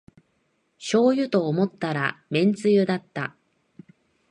しょうゆと思ったらめんつゆだった